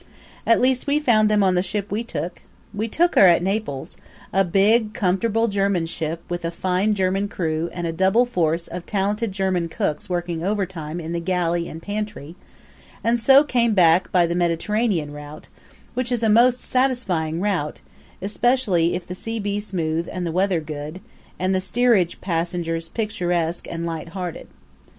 At least we found them on the ship we took. We took her at Naples a big comfortable German ship with a fine German crew and a double force of talented German cooks working overtime in the galley and pantry and so came back by the Mediterranean route, which is a most satisfying route, especially if the sea be smooth and the weather good, and the steerage passengers picturesque and light hearted.